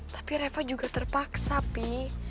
tapi reva juga terpaksa pi